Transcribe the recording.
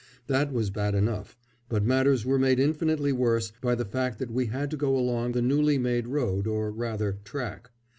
That was bad enough, but matters were made infinitely worse by the fact that we had to go along a newly made road, or rather track.